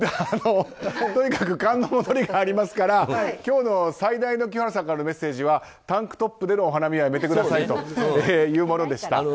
とにかく寒の戻りがありますから今日の最大の清原さんからのメッセージはタンクトップでのお花見はやめてくださいというものでした。